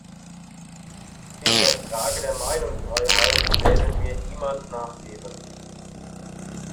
In der Frage der Meinungsfreiheit werden wir niemals nachgeben.